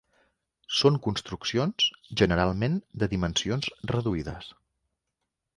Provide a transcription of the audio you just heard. Són construccions generalment de dimensions reduïdes.